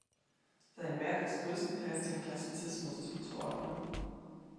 Sein Werk ist größtenteils dem Klassizismus zuzuordnen.